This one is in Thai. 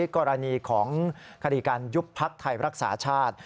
กรณีของคดีการยุบพักไทยรักษาชาติ